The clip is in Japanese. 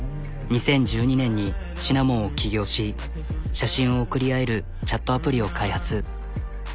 ２０１２年にシナモンを起業し写真を送り合えるチャットアプリを開発。